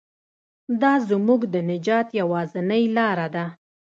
دا زموږ د نجات یوازینۍ لاره ده.